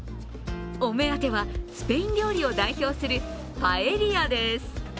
お目当ては、スペイン料理を代表するパエリアです。